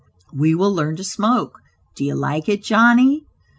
"We will learn to smoke; do you like it Johnny?"